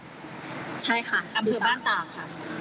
ใช่ค่ะอันที่บ้านตากค่ะ